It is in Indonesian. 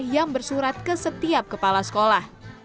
yang bersurat ke setiap kepala sekolah